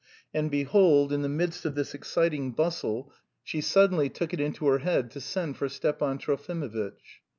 And, behold, in the midst of this exciting bustle she suddenly took it into her head to send for Stepan Trofimovitch.